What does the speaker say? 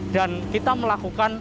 dan kita melakukan